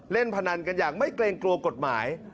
พนันกันอย่างไม่เกรงกลัวกฎหมาย